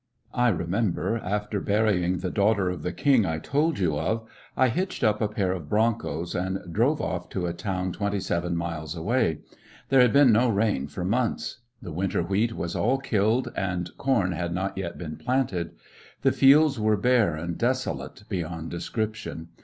I remember, after burying the Daughter of Burned up the King I told you of, I hitched up a pair of broncos and drove off to a town twenty seven miles away. There had been no rain for months. The winter wheat was all killed and corn had not yet been planted. The fields were bare and desolate beyond description.